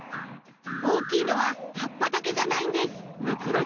大きいのは葉っぱだけじゃないんです。